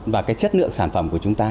và cái chất lượng sản phẩm của chúng ta